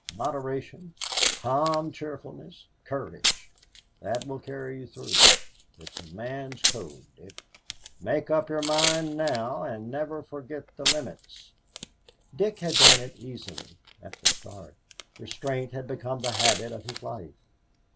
Moderation, calm cheerfulness, courage; that will carry you through. It's a man's code, Dick. Make up your mind now and never forget the limits." Dick had done it easily at the start. Restraint had become the habit of his life.